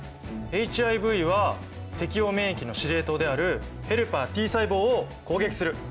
ＨＩＶは適応免疫の司令塔であるヘルパーＴ細胞を攻撃する。